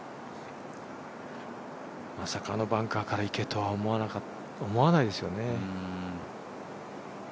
まさかのバンカーから池とは思わないですよね。